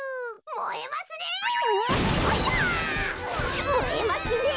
もえますねえ！